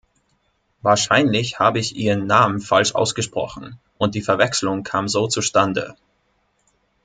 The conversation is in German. Wahrscheinlich habe ich Ihren Namen falsch ausgesprochen, und die Verwechslung kam so zustande.